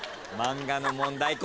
漫画の問題